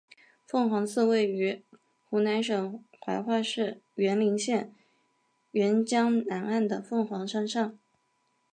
凤凰寺位于湖南省怀化市沅陵县沅江南岸的凤凰山上。